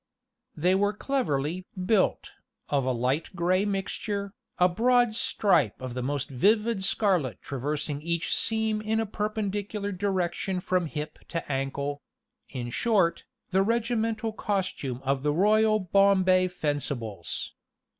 They were cleverly "built," of a light grey mixture, a broad stripe of the most vivid scarlet traversing each seam in a perpendicular direction from hip to ankle in short, the regimental costume of the Royal Bombay Fencibles.